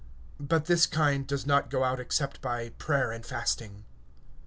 (21)But this kind goes not forth, except by prayer and fasting.